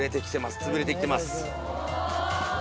潰れてきてます